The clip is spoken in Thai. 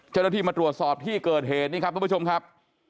เจ้าหน้าที่มาตรวจสอบที่เกิดเหตุนี่ครับทุกผู้ชมครับ